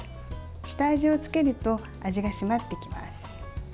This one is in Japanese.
下味をつけると味が締まってきます。